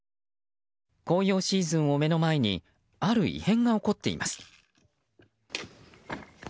紅葉シーズンを目の前にある異変が起こっています。